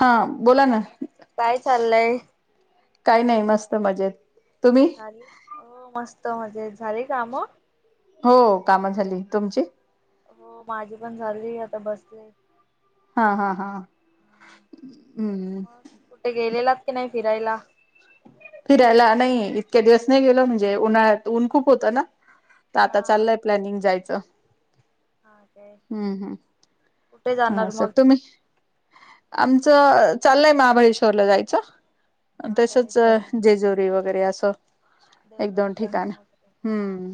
हा बोला ना काय चाललंय काही नाही मस्त मजेत तुम्ही झाली मस्त मजेत झाले काम हो काम झाली तुमची हो माझी पण झाली आता बसले हा हा हा हम मग कुठे गेलेलात की नाही फिरायला फिरायला नाही इतक्या दिवस नाही गेलो म्हणजे उन्हाळ्यात ऊन खूप होतं ना तर आता हा हा चाललय प्लॅनिंग जायचं हा काय हम्म हम्म कुठे हा जाणार स मग तुम्ही आमचं चाललय महाबळेश्वरला जायचं तसच महाबलेश्वरला जेजुरी वगैरे असं एक दोन देवदर्शन ठिकाण वगैरे हा हम्म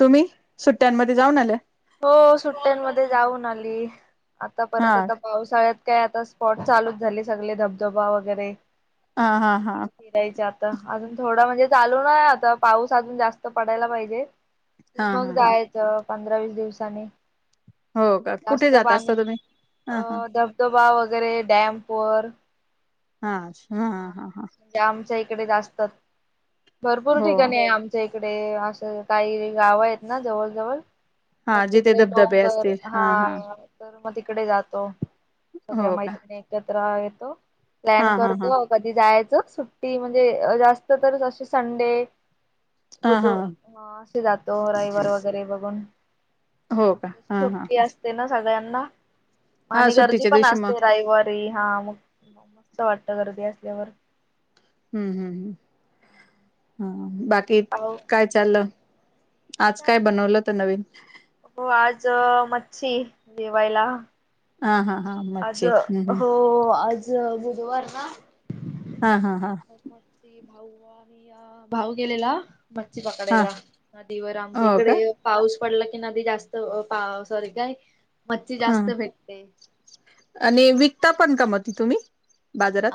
तुम्ही सुट्ट्यांमध्ये जाऊन आले हो सुट्ट्यांमध्ये जाऊन आली आता हा परत आता पावसाळ्यात काय आता स्पॉर्ट चालूच झाले सगळे धबधबा वगैरे हा मग हा हा तिकडे य आता अजून थोडा म्हणजे चालू ना आता पाऊस अजून जास्त पडायला पाहिजे. हा मग हा हा जायचं पंधरा वीस दिवसाांनी. हो का कुठे जास्त जात असता पाणी तुम्ही हा हा अ धबधबा वगैरे डॅमवर. हा. हा म्हणजे आमच्या इकडे जास्त भरपूर हो ठिकाणी आहे आम. इकडे असं काही गाव आहेत ना जवळ जवळ. हा तर जिथे तिकडे धबधबे डोंगर असतील हा. तर मग तिकडे जातो सगळ्या हो का मैञिणी एकत्र येतो हा प्लॅन हा करतो. हा कधी जायचं सुट्टी म्हणजे जास्त तर अशी संडे. बुध हा असे जातो रविवार वगैरे बघून. हो का हा हा सुट्टी असते ना सगळ्यांना. हा आणि गर्दी सुट्टीच्या पण दिवशी मग असते रविवारी हा मग मस्त वाटत गर्दी असल्यावर. हम्म हम् हम् ह बाकी पाऊ काय चाललं. आज काय बनवलंतं नवीन. हो आज मच्छी जेवायला. हा हा हा. आज मच्छी हम्म हम्म हो आज बुधवार ना. हा हा हा. भाऊ गेलेला. मच्छी हा पकडायला नदीवर आमच्या हो का इकडे. पाऊस पडला की नदी जास्त पाव सॉरी काय मच्छी हा जास्त भेटते. आणि विकता पण का मघ ती तुम्ही.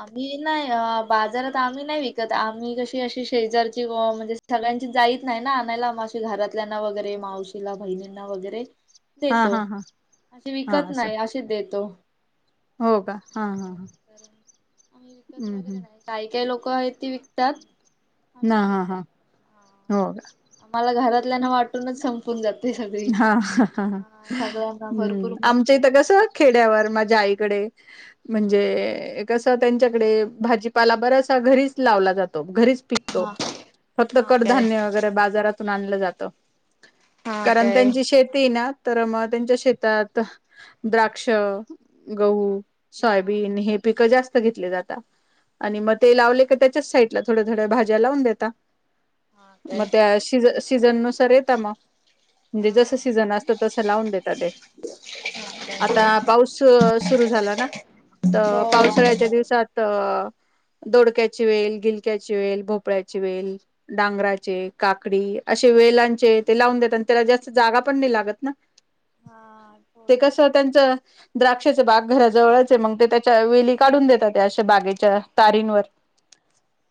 आ मी नाही बाजारात आम्ही नाही विकत आम्ही कशी अशी शेजारची क म्हणजे सगळ्यांची जात नाही ना आणायला मग घरातल्याना वगैरे मावशीला बहिणींना वगैरे हा देतो हा हा अशी हा विकत असं नाही अशीच देतो हो का हा हा ह आम्ही विकत वगैरे नाही काही काही लोक आहेत ते विकतात आम्ही ना नाही ह हा विकत हा हा होय आम्हाला घरातल्या ना वाटूनच संपून जात हा सगळ्यांना हम्म भरपूर आमच्या मोठे इथ अ, कस खेड्यावर माझ्या आईकडे हा म्हणजे कसं त्यांच्याकडे भाजीपाला बरासा घरीच लावला जातो घरीच पिकतो हा फक्त हा काय कडधान्य वगैरे बाजारातून आणलं जातं हा कारण काय त्यांची शेती ना तर मग त्यांच्या शेतात द्राक्ष हा गहू हा सोयाबीन हे पिकं जास्त पिकले जात आणि मग ते लावले क त्याच्याच साईड ला थोड्या थोड्या भाज्या लावून देता. हा म काय त्या सीज सीझन नुसार येत, मग म्हणजे, हा. जसं सीझन असतं तसं लावून देतात ते. आता पाऊस सुरु झाला ना. अ हो. पावसाळ्याच्या दिवसात अ दोडक्याची वेल, गिलक्याची वेल, भोपळ्याची वेल,, डांगराचे काकडी असे वेलांचे ते लावून देत त्याला जास्त जागा पण नाही लागत ना हा ते थोडीच कस त्यांच द्राक्षाचे बाग घराजवळच आहे मग ते त्याच्या वेली काढून देतात त्या अशा बागेच्या तारींवर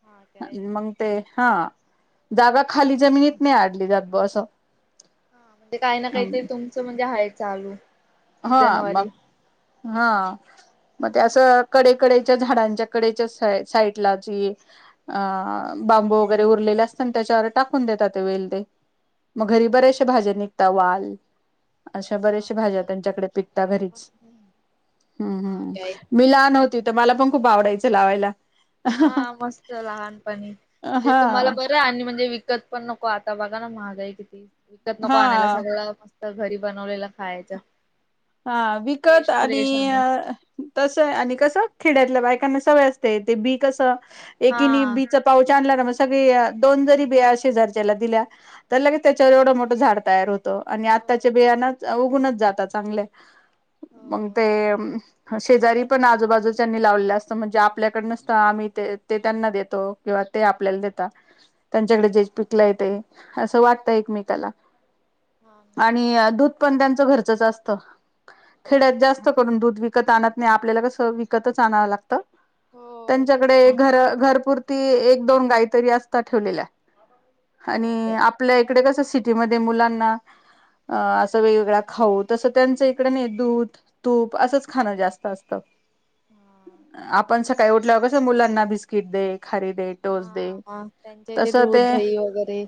हा काय? मग ते, हा जागा खाली जमिनीत नाही अडली जात ब असं हा म्हणजे काही ना काही तरी तुमचं म्हणजे हाय चालू हा सीझन वारी. मग हा मग ते, असं कडेकडेच्या झाडांच्या कडेच्या साईडला जी अ बांबू वगैरे उरलेले असतना त्याच्यावर टाकून देतात ते वेल ते- मग घरी बरेचशे भाज्या निघता वाल अशा हा बरेचशे भाज्या काय त्यांच्याकडे पिकता घरीच हम्म् हा हम्म काय मी लाहान हो ते तिथं मला पण खूप आडायचं लावायला. हा मस्त लहानपणी म्हणजे तुम्हाला हा ब आणि म्हणजे विकत पण नको आता बघा ना महागाई किती, विकत नको आणायला हा सगळं म घरी बनवलेलं खायचं हा, विकत फ्रेश फ्रेश आणि तसं आहे आणि कसं खेड्यातल्या बायकांना सवय असते ते बी कसं एकिनी हा. बीच पाऊच आणला ना मग सगळी दोन जरी बीया शेजारच्याला दिल्या- तर लगेच त्याच्यावर एवढं मोठं झाड तयार होतं आणि हो आत्ताच्या बियाना उगुनच जातात चांगल्या मंग हो ते शेजारी पण आजूबाजूच्यांनी लावलेलं असतं, म्हणजे आपल्याकड नसतं आम्ही ते ते त्यांना देतो किंवा ते आपल्याला देतात त्यांच्याकडे जे पिकलंय ते असं वाटतं एकमेकाला हा ना आणि दूध पण त्यांचं घरचच असतं खेड्यात जास्त करून दूध विकत आणत नाही आपल्याला कसं विकतच आणावं लागतं हो तेच त्यांच्याकडे ना घरं घरपुरती एक-दोन गायी तरी असतात ठेवलेल्या. हो आणि काय आप ल्या इकडे कसं सिटीमध्ये मुलांना असं वेगवेगळा खाऊ तसं त्यांचं इ कडे नाही दूध, तूप असंच खाणं जास्त असतं. हा. आपण सकाळी उठल्यावर कसं मुलांना बिस्किट दे, खारी दे. टोस्ट दे. हा त्यांच्या इथे तसं दूध, ते दही वगैरे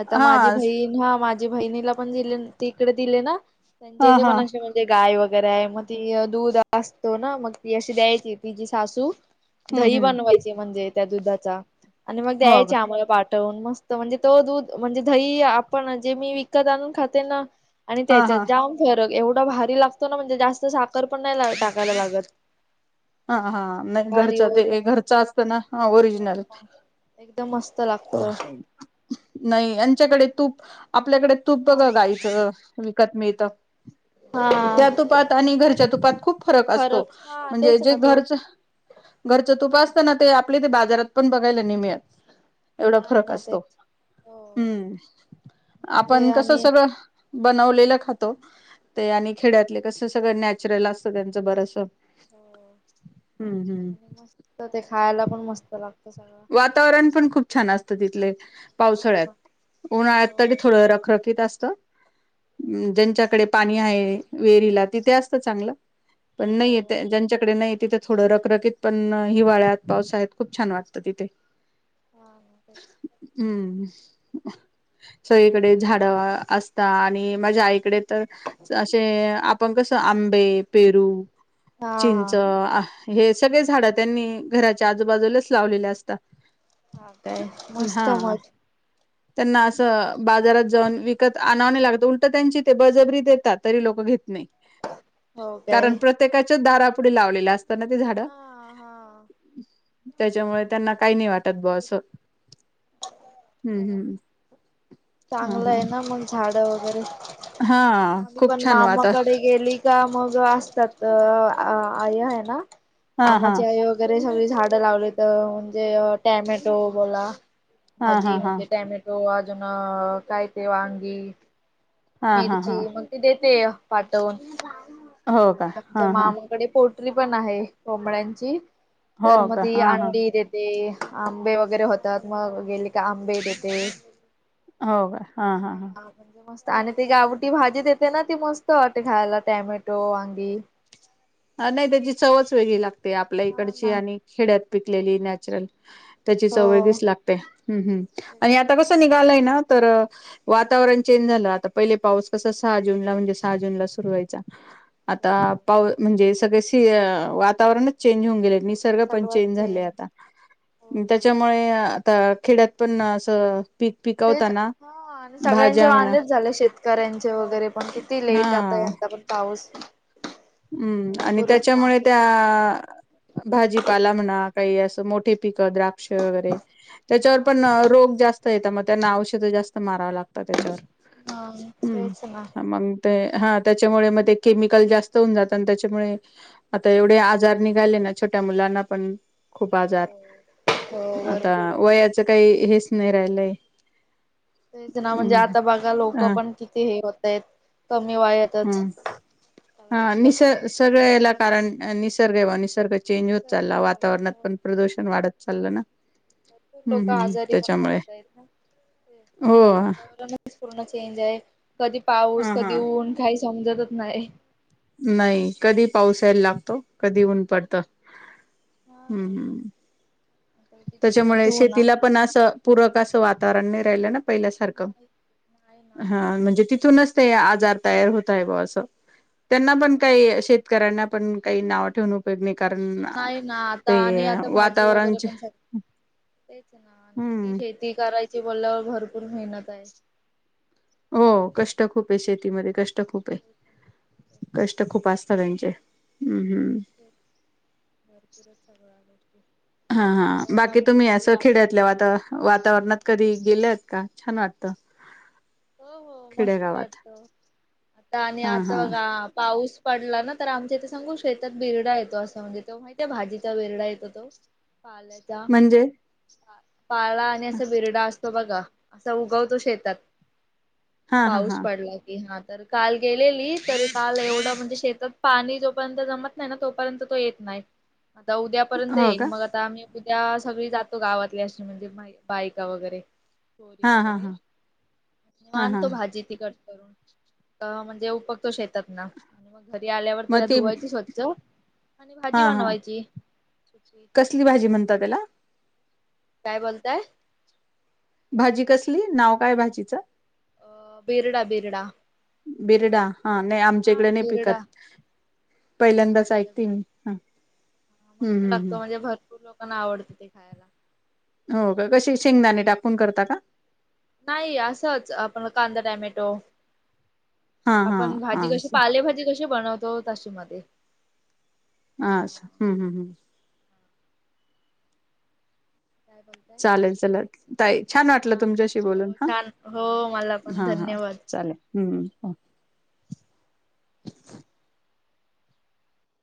आता हा माझी बहिण हा मा झी बहिणीला पण दिले तिकडे दिले ना त्यांच्या हा इथे हा पण अशे गाय वगैरे आहे मग ती दूध असतो ना मग ती अशी द्यायची तिझी सासू हम्म दही हम्म बनवायची म्हणजे त्या दुधाचा आणि मग हो का द्यायचे आम्हाला पाठ वून मस्त म्हणजे तो दूध म्हणजे दही आपण जे मी विकत आणून खाते ना आणि हा हा त्याच्यात जाम फरक एवढा भारी लागतो ना म्हणजे जास्त साखर पण नाही टाकायला लागत. हा हा नाही भारी घरच्या ते ओरिच घरचं असतं ना ओरि जिनल. एकदम मस्त लागत नाही यांच्याकडे तूप आपल्याकडे तूप हा बघा गाईचं विकत मिळतं. हा त्या तुपात आणि घरच्या तुपात खूप फरक असतो हा म्हणजे तेच ना तो घरचे तुप असतं ना ते आपल्या इथे बाजारात पण बघायला नाही मिळत. एवढा नाही फरक ना असतो तेच हो हम्म इकडे आपण कसं आणि सगळं बनवलेलं खातो ते आणि खेड्यातले कसं सगळं नॅचरल असत त्यांचं बरचसं. हो. हम्म हम्म. तर ते खायला पण मस्त लागत सगळं. वातावरण पण खूप छान असतं तिथले. हो पावसळ्यात, ना हो उन्हाळ्यात तरी थोडं रखरखीत असतं. ज्यांच्याकडे पाणी आहे विहिरीला तिथे असतं चांगलं. पण नाही हो येत ज्यांच्याकडे नाही हे तिथं थोडं रखरखीत पण हिवाळ्यात पावसाळ्यात खूप छान वा टत तिथे. हा हा तेच. हम्म सगळीकडं झाडं असता आणि माझ्या आईकडे तरं असे आपण कसं आंबे, पेरू हा हा चिंच हे सगळे झाडं त्यांनी घराच्या आजूबाजूलाच लावलेलं असता. हा काय मस्त मग त्यांना असं बाजारात जाऊन विकत आणाव नाही लागत उलटं त्यांची ते बळजबरी देतात तरी लोक घेत नाही. [inaudible] काय कारण प्रत्येकाच्या दारापुढे लावलेल्या असताना ते झाडं. हा हा त्याच्यामुळे त्यांना काही नाही वाट टत बुवा म्हणजे असं हम्म त्यांना हम्म हा हा. झाड वगैरे हा आम्ही खूप पण छान वातार मामाकडे गेली त्या मग असतात आई हाय ना हा हा मामाची आई घरी सगळी झाडं लावलीत म्हणजे टॅमॅटो बोला हा भाजी हा हा म्हणजे टॅमॅटो अजून काय ते वांगी हा हा मिरची हा मग ते देते पाठवून हो का आणि आमच्या हा हा मामाकडे पोट री पण आहे कोंबड्यांची हो तर मग का ती हा हा अंडी दे ते आंबे वगैरें होतांत मंग गेले कां आंबे देते हो कां हां हां मस्तं आणि ती गावंटी भाजी देते नां ती मस्तं वाटते खांयला टॅमॅटो वांगी नाहीं त्यांची चवच वेगळी लागते आपल्या हा इकडची ना आणि खेड्यांत पिकलेली नॅचरल त्यांची हो चवं वेगळीचं लागते हम्मं हम्मं आणि तेच आंता मस्त कसं निघालंय नां तरं वातांवरण चेंज झालं आंता पहिले पाऊस कसां सहा जूंनला म्हणजे सहा जूंनला सुरूं व्हायचां आंता पूर्ण पाव म्हणजे सगळेशी वातांवरणच चेंज होऊंन गेले निसर्ग पणं सगळं चेयन झाले चेंज आंता हो ना त्यांच्यामुळे आंता खेड्यांत पणं असं पीक तेचं पिकवताना हां हां सगळ्यांचे भाज्या म्हणा वांदेच झाले शेतकऱ्यांचे वगैरें पणं किती लेट आंता हा यंदा पणं पाऊस हं हम्मं आणि त्यांच्यामुळे त्यां भाजीपाला म्हणां कांहीं असं मोठे पिकतं राखं औषध वगैरें त्यांच्यावर हा पणं रोग जास्तं येतांत मंग त्यांना औषध जास्तं मारावं लागतं त्यांच्यावर हा हम्मं तेच ना मंग ते हां त्यांच्यामुळे मंग केमिकल जास्तं होऊंन जातांत आणि त्यांच्यामुळे आंता एवढे आजांर निघाले नां छोट्यां मुलांना पणं खूंप आजांर हो हो आंता भरपूरच वयाचं कांहीं हेचं नाहीं राहिलं तेचं नां म्हणजे आंता बघां लोकं हा पणं किती हे होतायंत कमी वयांत हम्मं हां निसर्ग सगळं यांला कारणं निसर्ग आहे बघां निसर्गय चेंज होतं चाललां वातांवरणांत काय पणं प्रदूंषण वाढतं चाललं नां लोकं आजांरी पणं पडतायेत नां हो हा वातांवरण पूर्ण चेंज आहे कधीं पाऊस कधीं हा. ऊंन कांहीं समजतंच नाहीं नाहीं कधीं पाऊस यांयला लागतो कधीं ऊंन पडतं हा हम्मं ना हम्मं आता किती दिवस त्यांच्यामुळे होणार. शेतीलां पणं असं पूंरक असं वातांवरण नाहीं राहिलं नां पहिल्यांसारखं नाही नाही असं ना हां म्हणजे तिथूंनच ते आजांर तयांर होतंय बघां असं त्यांना पणं हो ना. कांहीं शेतकऱ्यांना पणं कांहीं नांव ठेवूंन कारणं नाही ना ते वातांवरणचे तेचं नां आणि किती शेती करायची बोलल्यांवर भरंपूर मेहनत आहे. हो कंष्ट खूंप आहे शेतीमध्यें कंष्ट खूंप आहे कंष्ट खूंप असतं करायचे हम्मं हम्मं [unintelligible] हा [inaudible] हा [unintelligible] वातांवरणात कधीं गेल्यां आहेतं कां छांन वाटतं हो हो मस्तं खेडेगावात वाटतं आंता आणि हा हा आंता बघां पाऊस पाऊस पडलां नां तरं आमच्या इथे सांगू शेतांत बिरडा येतो असं म्हणजे तो माहित आहे भाजीचा बिरडा येतो तो पालतं म्हणजे पालां आणि असां बिरडां असतो बघां असां उगवतो शेतांत हा हा पाऊस हा पडलाय हां तरं कांल गेलेली तरं कांल एवढं म्हणजे शेतांत पाणी जोपर्यंत जमां नाहीं नां तोपर्यंत तो येतं नाहीं आंता उद्यांपर्यंत हो येईल का मंग आंता आम्हीं उद्यां सगळी जातो गावांतली अशी म्हणजे बायकां वगैरें पोरी हा हा वगैरे हा हा हा मानतो भाजी तिखटं करुंण म्हणजे उपकतो शेतांत नां आणि मंग घरी आल्यांवर मग तिला ती धुवांयची स्वंच्छ आणि भाजी बनवांयची कुठली भाजी म्हणता त्याला? काय बोलताय? भाजी कसली, नाव काय भाजीचं? अ बिरडा, बिरडा. बिरडा. हा नाही. हा आमच्याकडे नाही बिरडा पिकत, पहिल्यांदाच भाजीचा ऐकते मी. हा बिरडा मस्त लागतो. म्हणजे, भरपूर लोकांना आवडत ते खायला. हो का, कशी शेंगदाणे टाकून करता का? नाही असंच, आपण कांदा, टोमॅटो. हा हा आपण हा भाजी कशी, असं पालेभाजी कशी बनवतो. तशी मध्ये असं हम्म, हम्म, हं काय बोलला चालेल चला ताई, छान वाटलं तुमच्याशी बोलून हो हा, छान हो मला पण हा, हा धन्यवाद चालेल. हम् ह